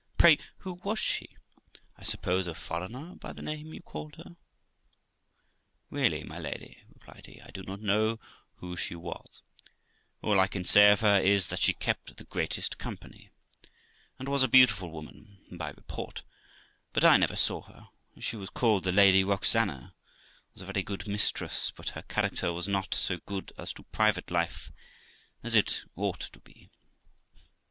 pray who was she? I suppose a foreigner, by the name you called her.' 'Really, my lady', replied he, 'I do not know who she was ; all I can say of her is, that she kept the greatest company, and was a beautiful woman, by report, but I never saw her; she was called the Lady Roxana, was a very good mistress, but her character was not so good as to private life as it ought to be.